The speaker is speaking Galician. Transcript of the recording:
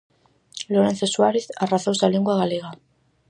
Lorenzo Suárez: As razóns da lingua galega.